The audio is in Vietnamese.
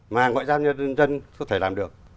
mà ngoại giao nhân dân có thể làm được